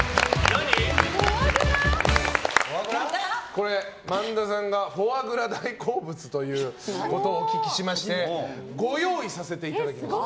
これ、萬田さんがフォアグラが大好物だとお聞きしましてご用意させていただきました。